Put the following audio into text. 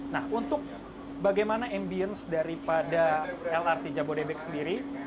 nah untuk bagaimana ambience daripada lrt jabodebek sendiri